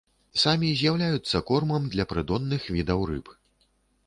Самі з'яўляюцца кормам для прыдонных відаў рыб.